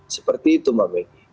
seperti itu mbak meggy